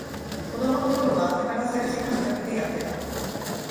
子供のころは宝探し感覚でやってた